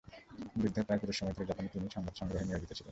যুদ্ধের প্রায় পুরো সময় ধরে জাপানে তিনি সংবাদ সংগ্রহে নিয়োজিত ছিলেন।